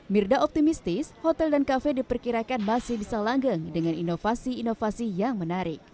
mirda optimistis hotel dan kafe diperkirakan masih bisa langgeng dengan inovasi inovasi yang menarik